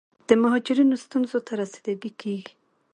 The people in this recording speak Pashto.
د مهاجرینو ستونزو ته رسیدګي کیږي.